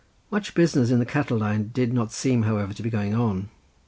Much business in the cattle line did not seem, however, to be going on.